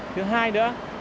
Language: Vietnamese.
thứ hai nữa